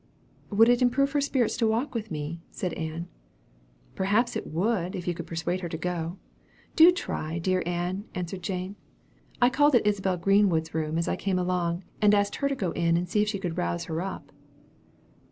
"Would it improve her spirits to walk with me?" asked Ann. "Perhaps it would, if you can persuade her to go. Do try, dear Ann," answered Jane. "I called at Isabel Greenwood's room as I came along, and asked her to go in and see if she could rouse her up."